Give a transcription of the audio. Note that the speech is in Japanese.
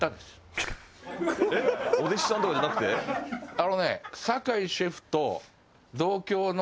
あのね。